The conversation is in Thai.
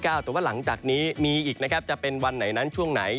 แต่ว่าหลังจากนี้มีอีกนะครับจะเป็นวันไหนนั้นช่วงไหน